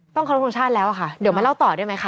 ต้องเข้าระทุนชาติแล้วค่ะเดี๋ยวมาเล่าต่อได้ไหมคะ